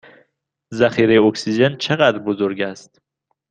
ذخیره اکسیژن چه قدر بزرگ است؟